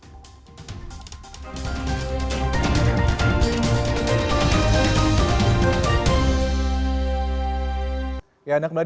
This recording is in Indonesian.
tetaplah di cnn indonesia prime news